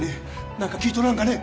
なんか聞いとらんかね